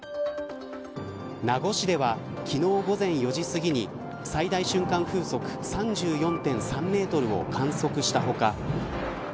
名護市では、昨日午前４時すぎに最大瞬間風速３４．３メートルを観測した他